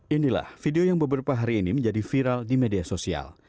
inilah video yang beberapa hari ini menjadi viral di media sosial